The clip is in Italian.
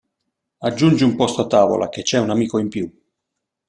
Aggiungi un posto a tavola che c'è un amico in più!